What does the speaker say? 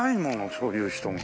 そういう人が。